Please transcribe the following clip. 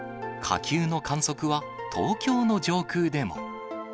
火球の観測は東京の上空でも。